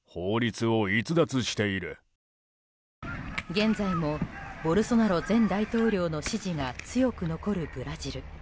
現在も、ボルソナロ前大統領の支持が強く残るブラジル。